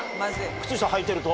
靴下はいてると？